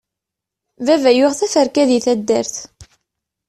Baba yuɣ teferka di taddart.